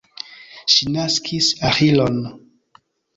Ŝi naskis Aĥilon.